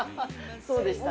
そうでした。